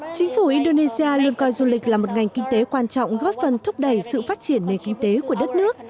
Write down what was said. chính phủ indonesia luôn coi du lịch là một ngành kinh tế quan trọng góp phần thúc đẩy sự phát triển nền kinh tế của đất nước